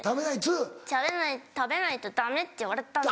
「食べないとダメ！」って言われたんです。